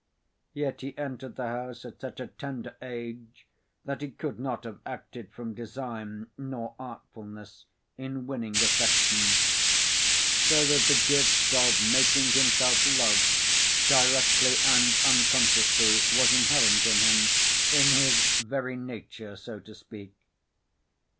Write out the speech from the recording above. Yet he entered the house at such a tender age that he could not have acted from design nor artfulness in winning affection. So that the gift of making himself loved directly and unconsciously was inherent in him, in his very nature, so to speak.